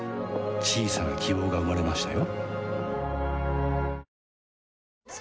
小さな希望が生まれましたよ